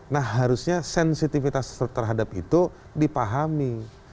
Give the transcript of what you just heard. nah harusnya sensitivitas terhadap itu dipahami